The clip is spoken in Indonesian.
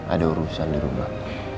ada urusan di rumah